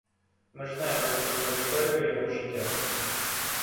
Ми ж знаємо сумну історію його життя.